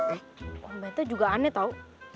eh om tante juga aneh tau